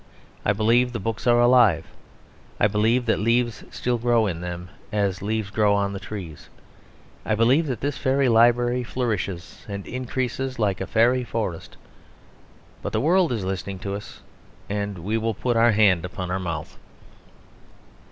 I believe the books are alive; I believe that leaves still grow in them, as leaves grow on the trees. I believe that this fairy library flourishes and increases like a fairy forest: but the world is listening to us, and we will put our hand upon our mouth.